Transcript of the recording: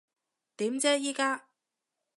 點啫依家？